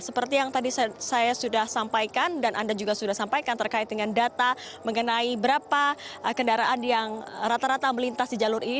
seperti yang tadi saya sudah sampaikan dan anda juga sudah sampaikan terkait dengan data mengenai berapa kendaraan yang rata rata melintas di jalur ini